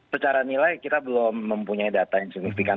secara nilai kita belum mempunyai data yang signifikan